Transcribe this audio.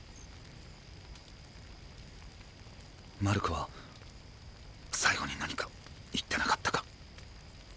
マルコは最期に何か言ってなかったか？